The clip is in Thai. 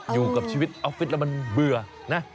อยู่กับชีวิตออฟฟิศแล้วมันเบื่อนะ